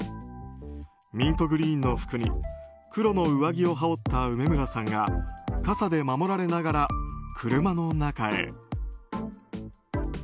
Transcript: ミントグリーンの服に黒の上着を羽織った梅村さんが傘で守られながら、車の中へ。